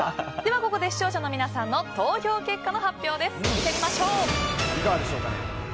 ここで、視聴者の皆さんの投票結果の発表です。